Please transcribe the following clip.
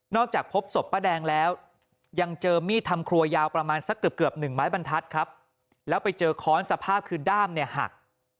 จากพบศพป้าแดงแล้วยังเจอมีดทำครัวยาวประมาณสักเกือบหนึ่งไม้บรรทัศน์ครับแล้วไปเจอค้อนสภาพคือด้ามเนี่ยหัก